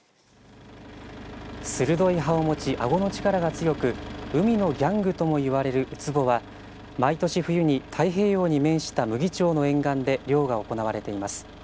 鋭い歯を持ちあごの力が強く海のギャングともいわれるウツボは毎年、冬に太平洋に面した牟岐町の沿岸で漁が行われています。